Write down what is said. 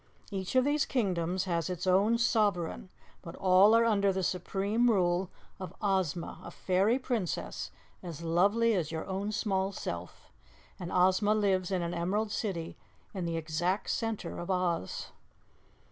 Each of these Kingdoms has its own sovereign; but all are under the supreme rule of Ozma, a fairy Princess as lovely as your own small self, and Ozma lives in an Emerald City in the exact center of Oz."